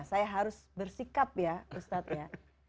saya harus bersikap ya ustadz ya